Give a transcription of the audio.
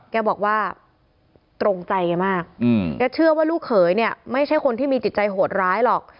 แกบอกว่าตรงใจแกมากแกเชื่อว่าลูกเขยเนี่ยไม่ใช่คนที่มีจิตใจโหดร้ายหรอก